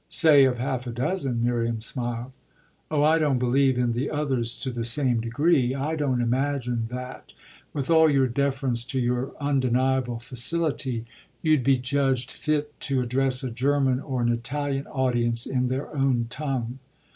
"Say of half a dozen," Miriam smiled. "Oh I don't believe in the others to the same degree. I don't imagine that, with all deference to your undeniable facility, you'd be judged fit to address a German or an Italian audience in their own tongue.